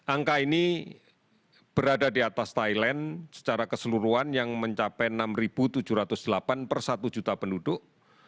angka ini berada di atas thailand secara keseluruhan yang mencapai enam tujuh ratus delapan per satu juta penduduk